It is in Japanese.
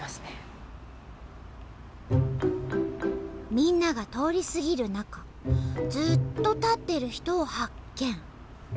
みんなが通り過ぎる中ずっと立ってる人を発見。